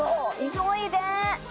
急いで！